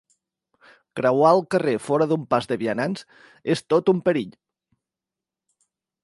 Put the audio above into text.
Creuar el carrer fora d'un pas de vianants és tot un perill.